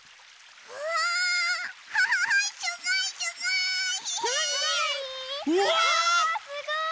うわすごい！